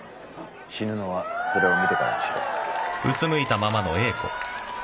死ぬのはそれを見てからにしろ